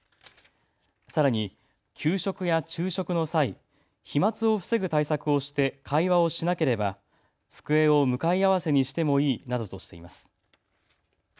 さらに、給食や昼食の際、飛まつを防ぐ対策をして会話をしなければ机を向かい合わせにしてもいいなどとしています。